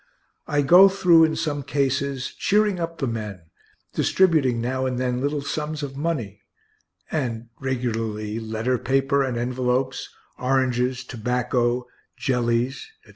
I go through in some cases, cheering up the men, distributing now and then little sums of money and, regularly, letter paper and envelopes, oranges, tobacco, jellies, etc.